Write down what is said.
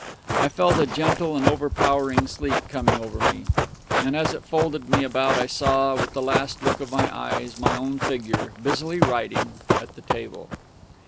I felt a gentle and overpowering sleep coming over me; and as it folded me about I saw, with the last look of my eyes, my own figure, busily writing at the table.